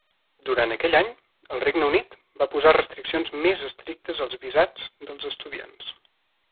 Durant aquell any, El Regne Unit va posar restriccions més estrictes als visats dels estudiants.